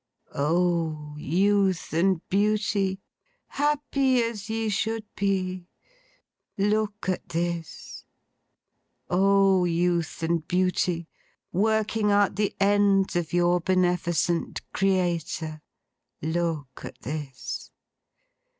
O Youth and Beauty, happy as ye should be, look at this! O Youth and Beauty, working out the ends of your Beneficent Creator, look at this!